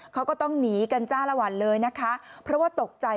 เขาก็ต้องหนีกันจ้าละวันเลยนะคะเพราะว่าตกใจ